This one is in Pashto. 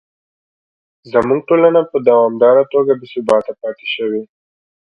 زموږ ټولنه په دوامداره توګه بې ثباته پاتې شوې.